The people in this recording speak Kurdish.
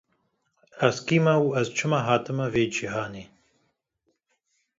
Ez kî me û ez çima hatime vê cîhanê?